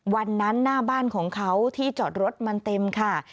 หน้าบ้านของเขาที่จอดรถมันเต็มค่ะ